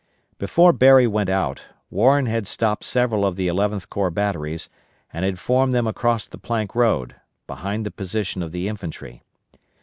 Before Berry went out, Warren had stopped several of the Eleventh Corps batteries, and had formed them across the Plank Road, behind the position of the infantry.